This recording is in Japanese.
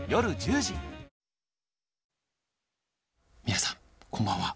皆さんこんばんは。